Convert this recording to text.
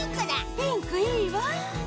ピンクいいわ！